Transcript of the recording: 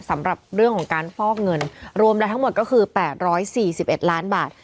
สำหรับเรื่องของการฟอกเงินรวมแล้วทั้งหมดก็คือ๘๔๑ล้านบาท